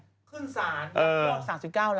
ขึ้นศาลยักษ์ยอก๓๙ล้าน